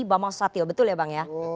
bambang susatyo betul ya bang ya